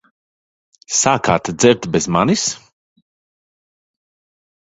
Sākāt dzert bez manis?